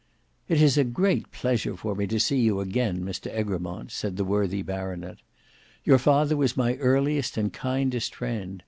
"It is a great pleasure for me to see you again, Mr Egremont;" said the worthy baronet. "Your father was my earliest and kindest friend.